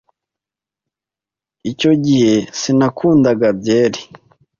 Icyo gihe sinakundaga byeri.